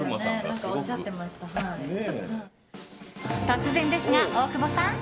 突然ですが、大久保さん。